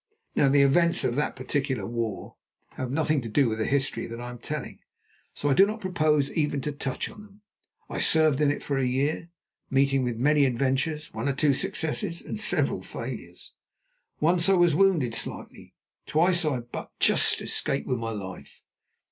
Now the events of that particular war have nothing to do with the history that I am telling, so I do not propose even to touch on them. I served in it for a year, meeting with many adventures, one or two successes, and several failures. Once I was wounded slightly, twice I but just escaped with my life.